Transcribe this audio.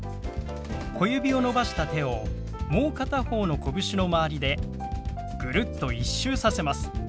小指を伸ばした手をもう片方のこぶしの周りでぐるっと１周させます。